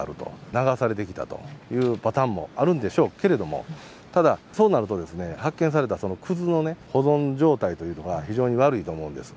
流されてきたというパターンもあるんでしょうけれども、ただそうなると、発見された靴の保存状態というのが非常に悪いと思うんです。